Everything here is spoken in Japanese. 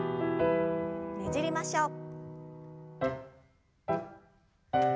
ねじりましょう。